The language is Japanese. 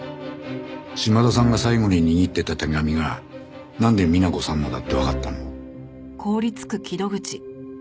島田さんが最後に握ってた手紙がなんで美奈子さんのだってわかったの？